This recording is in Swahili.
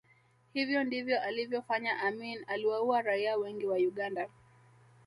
Hivyo ndivyo alivyofanya Amin aliwaua raia wengi wa Uganda